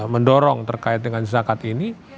mendorong terkait dengan zakat ini